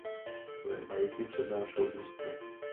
Své bajky přednášel ústně.